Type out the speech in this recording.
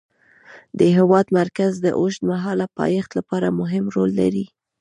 د هېواد مرکز د اوږدمهاله پایښت لپاره مهم رول لري.